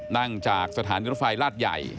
นั่งจากสถานีรถไฟลาดใหญ่